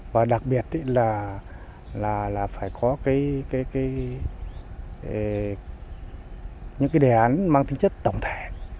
và đặc biệt là phải có những cái đề án mang tính chất tổng thể